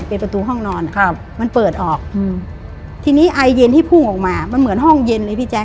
เป็นประตูห้องนอนครับมันเปิดออกอืมทีนี้ไอเย็นที่พุ่งออกมามันเหมือนห้องเย็นเลยพี่แจ